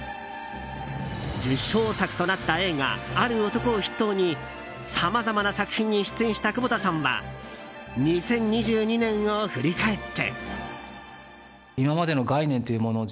受賞作となった映画「ある男」を筆頭にさまざまな作品に出演した窪田さんは２０２２年を振り返って。